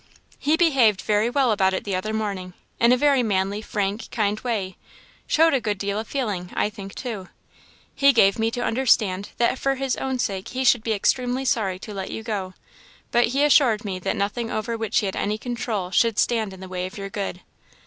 "He behaved very well about it the other morning in a very manly, frank, kind way showed a good deal of feeling, I think, too. He gave me to understand that for his own sake he should be extremely sorry to let you go; but he assured me that nothing over which he had any control should stand in the way of your good."